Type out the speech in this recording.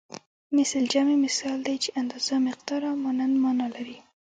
مثل جمع مثال دی چې اندازه مقدار او مانند مانا لري